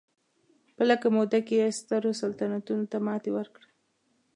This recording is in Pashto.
په لږه موده کې یې سترو سلطنتونو ته ماتې ورکړه.